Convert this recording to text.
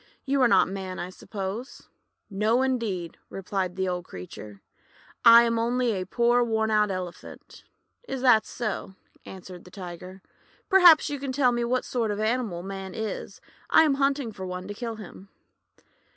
"You are not Man, I suppose?". 186 THE WONDER GARDEN "No, indeed," replied the old creature. : am only a poor worn out Elephant." "Is that so?" answered the Tiger. "Perhaps you can tell me what sort of an animal Man is. I am hunting for one to kill him."